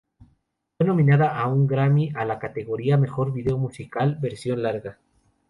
Fue nominada a un Grammy a la categoría Mejor video musical Versión Larga.